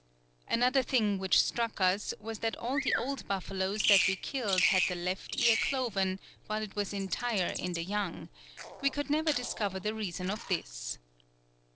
"Another thing which struck us was that all the old buffaloes that we killed had the left ear cloven, while it was entire in the young; we could never discover the reason of this.